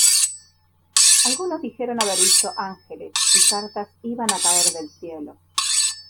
Algunos dijeron haber visto ángeles, y cartas iban a caer del cielo.